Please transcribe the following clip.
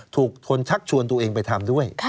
ทนชักชวนตัวเองไปทำด้วย